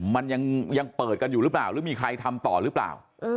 มันยังเปิดกันอยู่หรือเปล่าหรือมีใครทำต่อหรือเปล่า